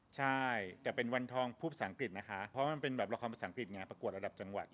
ใช่แต่เป็นวันทองพูดภาษาอังกฤษนะคะเพราะมันเป็นแบบละครภาษาอังกฤษไงประกวดระดับจังหวัด